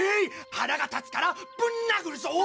腹が立つからぶん殴るぞー！